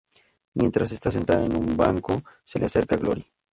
Mientras está sentada en un banco se le acerca Glory.